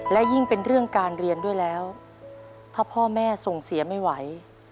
และยิ่งเป็นเรื่องการเรียนด้วยแล้วถ้าพ่อแม่ส่งเสียไม่ไหว